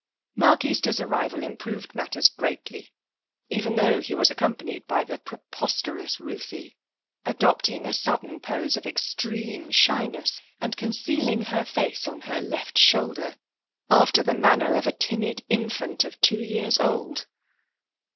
Mark Easter's arrival improved matters greatly, even though he was accompanied by the preposterous Ruthie, adopting a sudden pose of extreme shyness, and concealing her face on her left shoulder, after the manner of a timid infant of two years old.